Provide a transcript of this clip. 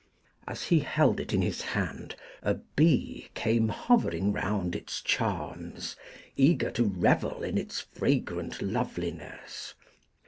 As he held it in his hand, a bee came hovering round its charms, eager to revel in its fragrant loveliness.